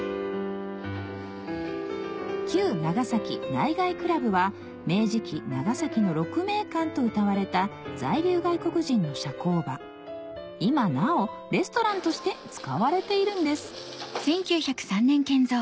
旧長崎内外クラブは明治期長崎の鹿鳴館とうたわれた在留外国人の社交場今なおレストランとして使われているんです